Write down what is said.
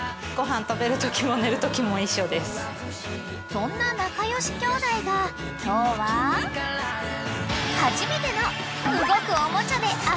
［そんな仲良しきょうだいが今日ははじめての動くおもちゃで遊ぶぞ］